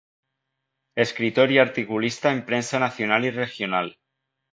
Escritor y articulista en prensa nacional y regional.